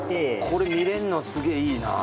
これ見れるのすげえいいな。